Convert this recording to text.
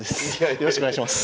よろしくお願いします。